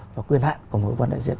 và quyền hạn của một cơ quan đại diện